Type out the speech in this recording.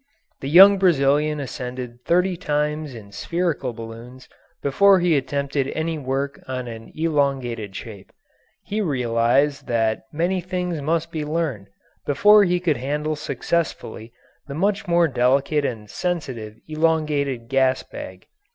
The young Brazilian ascended thirty times in spherical balloons before he attempted any work on an elongated shape. He realised that many things must be learned before he could handle successfully the much more delicate and sensitive elongated gas bag.